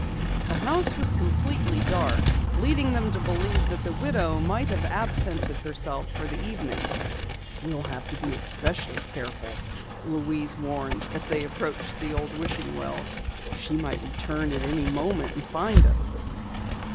The house was completely dark, leading them to believe that the widow might have absented herself for the evening. "We'll have to be especially careful," Louise warned as they approached the old wishing well. "She might return at any moment and find us."